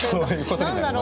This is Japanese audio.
「何だろう？